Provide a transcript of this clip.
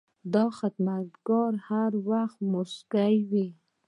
دا خدمتګار هر وخت موسکی وي.